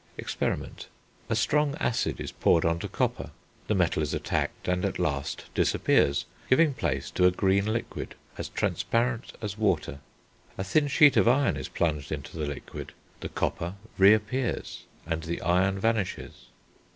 Experiment. A strong acid is poured on to copper. The metal is attacked, and at last disappears, giving place to a green liquid, as transparent as water. A thin sheet of iron is plunged into the liquid; the copper re appears, and the iron vanishes.